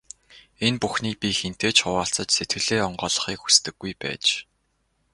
Энэ бүхнийг би хэнтэй ч хуваалцаж, сэтгэлээ онгойлгохыг хүсдэггүй байж.